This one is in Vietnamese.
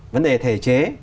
vấn đề thể chế